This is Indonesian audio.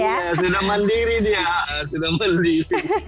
iya sudah mandiri dia sudah beli